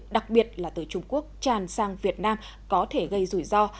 đặc biệt là từ trung quốc tràn sang việt nam có thể gây rủi ro